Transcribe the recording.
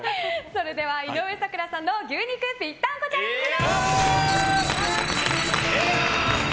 それでは井上咲楽さんの牛肉ぴったんこチャレンジです。